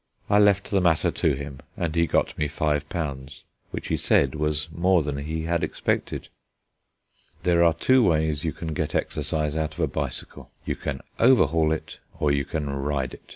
I left the matter to him, and he got me five pounds, which he said was more than he had expected. There are two ways you can get exercise out of a bicycle: you can "overhaul" it, or you can ride it.